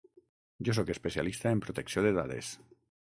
Jo sóc especialista en protecció de dades.